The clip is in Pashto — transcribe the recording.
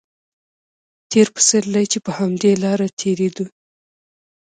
تېر پسرلی چې په همدې لاره تېرېدو.